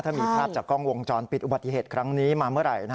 ถ้ามีภาพจากกล้องวงจรปิดอุบัติเหตุครั้งนี้มาเมื่อไหร่